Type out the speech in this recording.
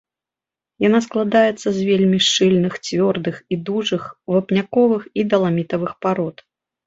Яна складаецца з вельмі шчыльных, цвёрдых і дужых вапняковых і даламітавых парод.